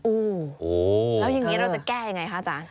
โอ้โฮแล้วยังงี้เราจะแก้อย่างไรคะอาจารย์